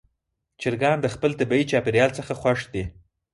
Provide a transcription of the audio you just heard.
چرګان د خپل طبیعي چاپېریال څخه خوښ دي.